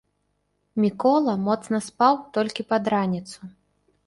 Мікола моцна спаў толькі пад раніцу.